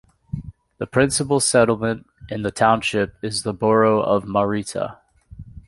The principal settlement in the township is the borough of Marietta.